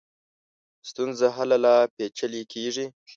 ستونزه هله لا پېچلې کېږي.